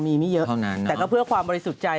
มีไม่เยอะเท่านั้นแต่ก็เพื่อความบริสุทธิ์ใจ